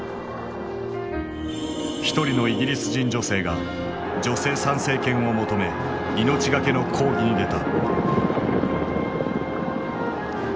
一人のイギリス人女性が女性参政権を求め命がけの抗議に出た。